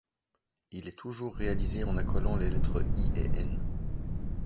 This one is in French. Il est toujours réalisé en accolant les lettres I et Ñ.